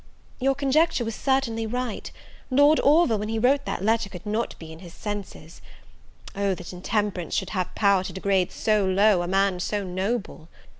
Your conjecture was certainly right; Lord Orville, when he wrote that letter, could not be in his senses. Oh that intemperance should have power to degrade so low, a man so noble!